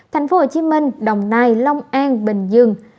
tp hcm đồng nai long an bình dương